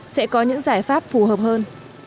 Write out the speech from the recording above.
sẽ có những giải pháp phù hợp hơn